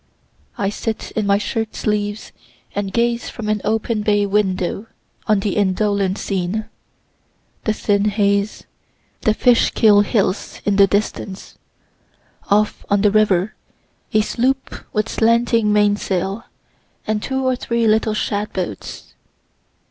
I sit in my shirt sleeves and gaze from an open bay window on the indolent scene the thin haze, the Fishkill hills in the distance off on the river, a sloop with slanting mainsail, and two or three little shad boats.